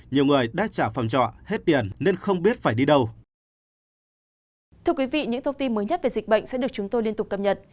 nhiều người đã trả phòng trọ hết tiền nên không biết phải đi đâu